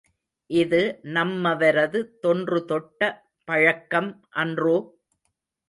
இது நம்மவரது தொன்றுதொட்ட பழக்கம் அன்றோ?